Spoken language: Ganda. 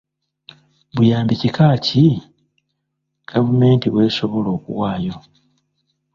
Buyambi kika ki, gavumenti bw'esobola okuwaayo?